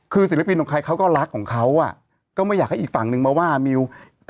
คือศิลปินของใครเขาก็รักของเขาอ่ะก็ไม่อยากให้อีกฝั่งนึงมาว่ามิว